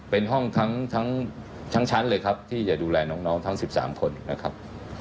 เป็นห้องทั้งชั้นเลยครับที่จะดูแลน้องทั้ง๑๓คนนะครับ